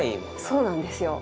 そうなんですよ。